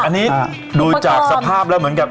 อันนี้ดูจากสภาพแล้ว